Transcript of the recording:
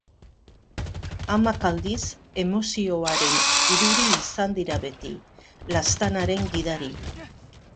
Amak aldiz emozioaren irudi izan dira beti, laztanaren gidari.